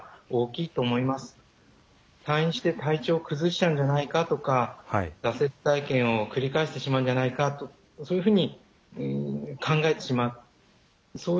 退院して体調を崩しちゃうんじゃないかとか挫折体験を繰り返してしまうんじゃないかとそういうふうに考えてしまいがちなんですね。